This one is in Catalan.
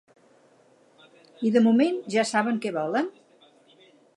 I de moment ja saben què volen?